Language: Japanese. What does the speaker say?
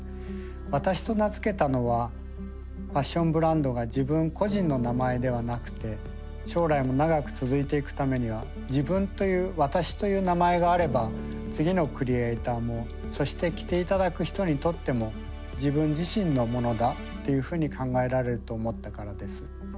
「私」と名付けたのはファッションブランドが自分個人の名前ではなくて将来も長く続いていくためには自分という「私」という名前があれば次のクリエーターもそして着て頂く人にとっても自分自身のものだっていうふうに考えられると思ったからです。